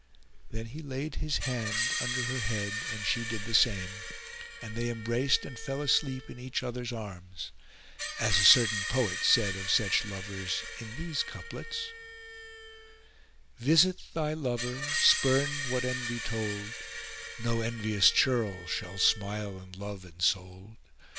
Then he laid his hand under her head and she did the same and they embraced and fell asleep in each other's arms, as a certain poet said of such lovers in these couplets:— Visit thy lover, spurn what envy told; * No envious churl shall smile on love ensoul'd.